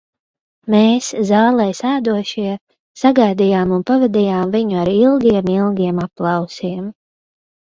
Mēs, zālē sēdošie, sagaidījām un pavadījām viņu ar ilgiem, ilgiem aplausiem.